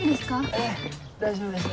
ええ大丈夫です。